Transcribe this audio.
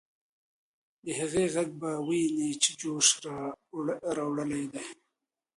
د هغې ږغ به ويني په جوش راوړلې وې.